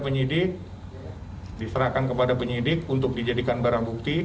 penyidik diserahkan kepada penyidik untuk dijadikan barang buku buku